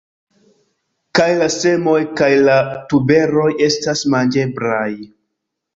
Kaj la semoj kaj la tuberoj estas manĝeblaj.